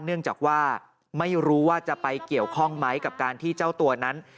เนื่องจากว่าไม่รู้ว่าจะไปเกี่ยวข้องไหมกับการที่เจ้าตัวนั้น